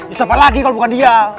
ya siapa lagi kalau bukan dia